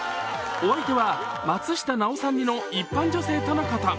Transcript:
お相手は松下奈緒さん似の一般女性とのこと。